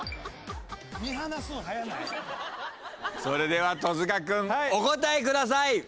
それでは戸塚君お答えください。